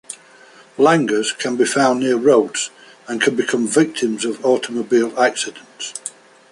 Langurs can be found near roads and can become victims of automobile accidents.